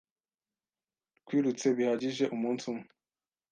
Twirutse bihagije umunsi umwe.